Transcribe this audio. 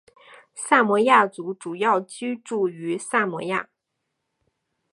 萨摩亚族主要居住于萨摩亚。